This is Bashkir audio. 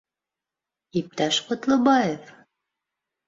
Иптәш Ҡотлобаев!